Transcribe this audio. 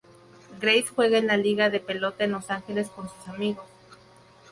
Grace juega en la liga de pelota en Los Ángeles con sus amigos.